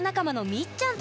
みっちゃん。